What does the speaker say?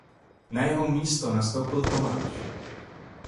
Na jeho místo nastoupil Tomáš.